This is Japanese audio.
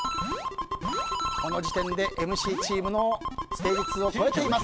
この時点でＭＣチームのステージ２を超えています。